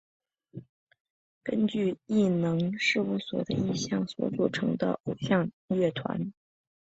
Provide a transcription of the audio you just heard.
根据艺能事务所的意向所组成的偶像乐团。